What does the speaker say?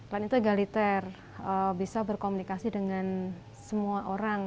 karena itu egaliter bisa berkomunikasi dengan semua orang